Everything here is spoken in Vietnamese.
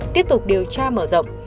tiếp tục điều tra mở rộng